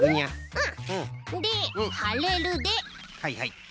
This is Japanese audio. うん。